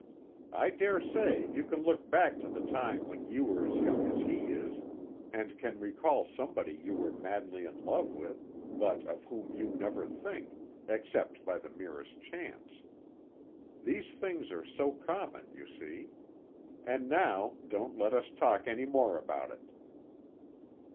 I dare say you can look back to the time when you were as young as he is, and can recall somebody you were madly in love with, but of whom you never think, except by the merest chance. These things are so common, you see. And now don't let us talk any more about it.'